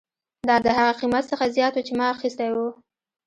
دا د هغه قیمت څخه زیات و چې ما اخیستی و